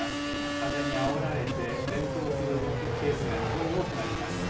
風にあおられて転倒するケースが非常に多くなります。